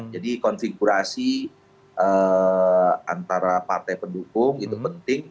jadi konfigurasi antara partai pendukung itu penting